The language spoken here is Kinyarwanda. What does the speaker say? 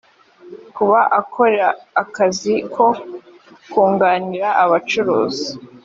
kuba akora akazi ko kunganira abacuruzi